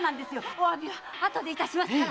お詫びはあとでいたしますから。